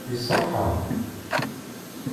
Iṣeḥḥa?